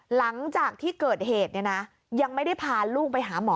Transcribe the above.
หลังจากที่เกิดเหตุยังไม่ได้พาลูกไปหาหมอ